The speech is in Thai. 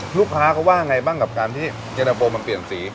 ลูกค้าเขาว่าไงบ้างกับการที่เย็นนาโปมันเปลี่ยนสี